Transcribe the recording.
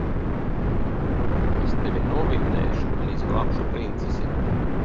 Es tevi novinnēšu un izglābšu princesi.